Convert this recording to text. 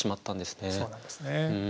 そうなんですね。